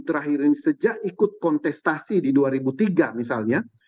terakhir ini sejak ikut kontestasi di dua ribu tiga misalnya